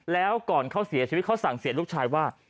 แล้วก่อนเขาเสียชีวิตเขาสั่งเสียลูกชายว่า